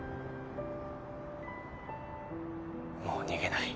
もう逃げない。